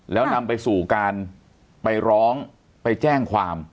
แล้วนำไปสู่การไปร้องไปแจ้งความ